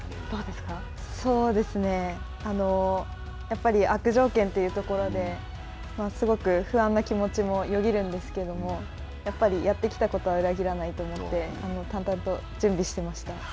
そうですね、やっぱり悪条件というところですごく不安な気持ちもよぎるんですけれども、やっぱりやってきたことは裏切らないと思って、淡々と準備していました。